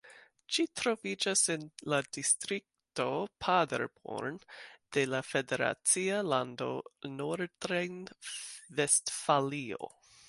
Ĝi troviĝas en la distrikto Paderborn de la federacia lando Nordrejn-Vestfalio.